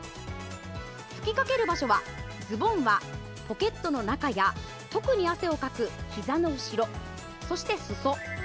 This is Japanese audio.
吹きかける場所はズボンはポケットの中や特に汗をかく、ひざの後ろそして、すそ。